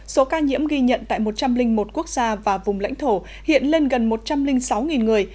số ca nhiễm ghi nhận tại một trăm linh một quốc gia và vùng lãnh thổ hiện lên gần một trăm linh sáu người